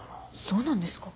そうなんですか？